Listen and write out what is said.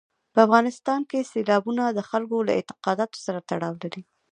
په افغانستان کې سیلابونه د خلکو له اعتقاداتو سره تړاو لري.